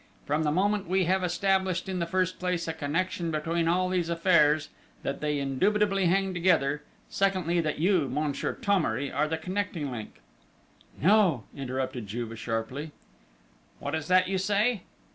From the moment we have established, in the first place, a connection between all these affairs that they indubitably hang together; secondly, that you, Monsieur Thomery, are the connecting link...." "No," interrupted Juve, sharply.... "What is that you say?..."